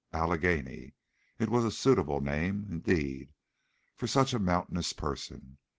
Allegheny! It was a suitable name, indeed, for such a mountainous person.